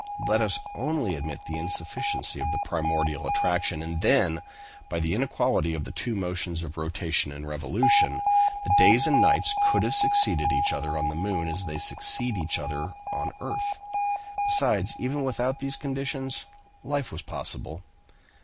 Let us only admit the insufficiency of the primordial attraction; and then by the inequality of the two motions of rotation and revolution, the days and nights could have succeeded each other on the moon as they succeed each other on the earth. Besides, even without these conditions, life was possible."